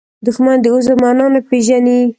دښمن د عذر معنا نه پېژني